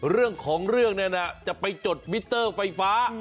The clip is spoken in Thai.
เรื่องของเรื่องเนี่ยนะจะไปจดมิเตอร์ไฟฟ้า